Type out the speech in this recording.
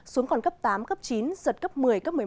xuống còn cấp tám cấp chín giật cấp một mươi cấp một mươi một